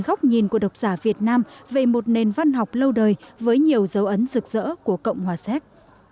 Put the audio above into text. góc nhìn của độc giả việt nam về một nền văn học lâu đời với nhiều dấu ấn rực rỡ của cộng hòa séc